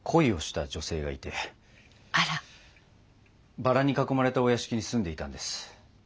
バラに囲まれたお屋敷に住んでいたんです。